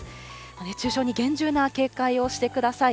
熱中症に厳重な警戒をしてください。